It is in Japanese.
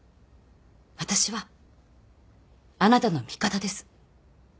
私はあなたの味方です。